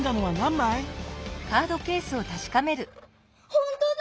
ほんとだ！